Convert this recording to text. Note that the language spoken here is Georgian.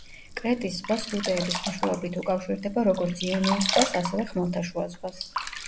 კრეტის ზღვა სრუტეების მეშვეობით უკავშირდება როგორც იონიის ზღვას, ასევე, ხმელთაშუა ზღვას.